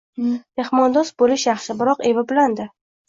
Mehmondo`st bo`lish yaxshi, biroq, evi bilan-da